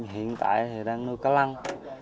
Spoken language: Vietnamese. hiện tại thì đang nuôi cá lăng